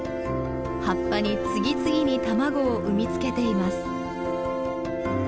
葉っぱに次々に卵を産み付けています。